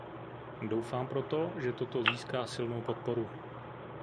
Doufám proto, že toto získá silnou podporu.